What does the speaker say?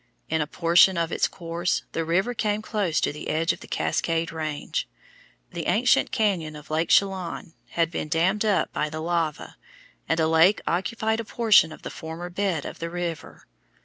In a portion of its course the river came close to the edge of the Cascade Range. The ancient cañon of Lake Chelan had been dammed up by the lava, and a lake occupied a portion of the former bed of the river.